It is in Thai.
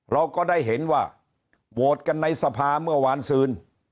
เราก็ได้เห็นว่าโหวตกันในสภาเมื่อวานซืน